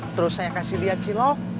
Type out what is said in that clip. terus saya kasih lihat cilok